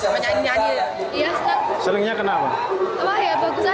pakai penayangan gitu kan mungkin biasanya bosan